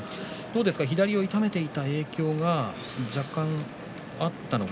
左を痛めていた影響が若干あったのか。